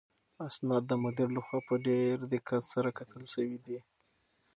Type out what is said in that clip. اسناد د مدیر لخوا په ډېر دقت سره کتل شوي دي.